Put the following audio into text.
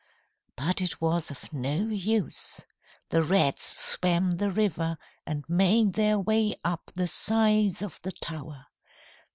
But it was of no use! The rats swam the river and made their way up the sides of the tower.